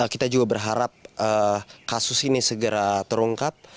kita juga berharap kasus ini segera terungkap